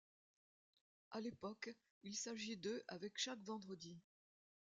À l'époque, il s'agit de avec chaque vendredi.